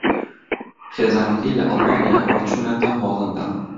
خێزانەکەی لە ئەڵمانیاوە چوونەتە ھۆڵەندا